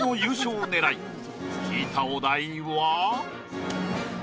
引いたお題は？